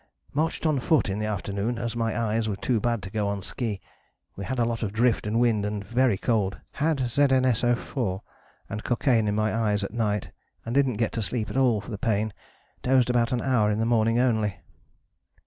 ... "Marched on foot in the afternoon as my eyes were too bad to go on ski. We had a lot of drift and wind and very cold. Had ZuSO_4 and cocaine in my eyes at night and didn't get to sleep at all for the pain dozed about an hour in the morning only."